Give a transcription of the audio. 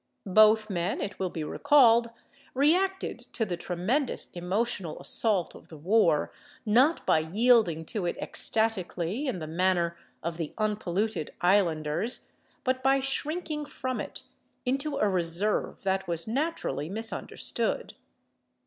Both men, it will be recalled, reacted to the tremendous emotional assault of the war, not by yielding to it ecstatically in the manner of the unpolluted islanders, but by shrinking from it into a reserve that was naturally misunderstood.